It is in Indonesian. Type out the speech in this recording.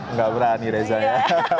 nggak berani reza ya